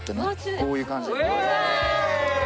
こういう感じ。